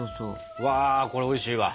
うわこれおいしいわ。